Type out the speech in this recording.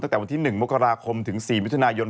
ตั้งแต่วันที่๑มกราคมถึง๔มิถุนายน